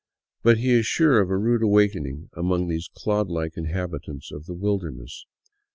But he is sure of a rude awakening among these clod like inhabitants of the wilderness.